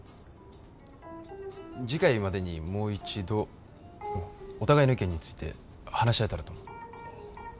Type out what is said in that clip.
次回までにもう一度お互いの意見について話し合えたらと思う。